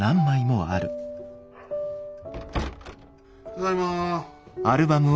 ・ただいま。